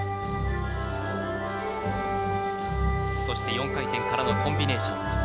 そして４回転からのコンビネーション。